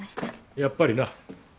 やっぱりな。